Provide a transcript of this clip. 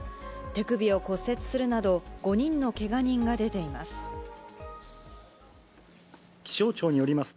手首を骨折するなど、５人のけが人が出ています。